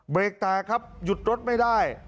เบรกแตกครับหยุดรถไม่ได้